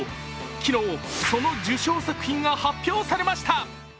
昨日、その受賞作品が発表されました。